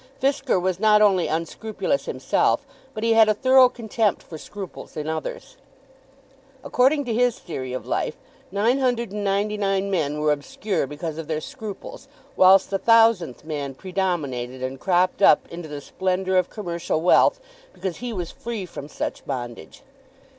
Fisker was not only unscrupulous himself, but he had a thorough contempt for scruples in others. According to his theory of life, nine hundred and ninety nine men were obscure because of their scruples, whilst the thousandth man predominated and cropped up into the splendour of commercial wealth because he was free from such bondage.